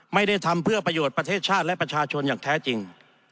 ไม่ได้ทำเพื่อประโยชน์ประเทศชาติและประชาชนอย่างแท้จริง